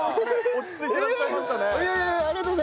落ち着いてらっしゃいましたね。